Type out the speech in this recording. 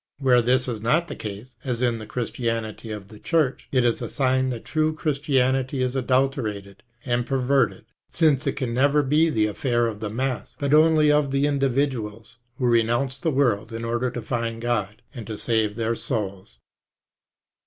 Where this is not the case, as in the Christianity of the Church, it is a sign that true Christianity is adulterated and perverted, since it can never be the affair of the mass, but only of the individuals who renounce the world in order to find God and to save their souls.